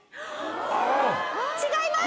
違います！